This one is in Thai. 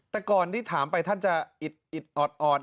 แต่ก่อนที่ถามไปท่านจะอิดออด